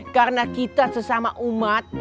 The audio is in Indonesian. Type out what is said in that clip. karena kita sesama umat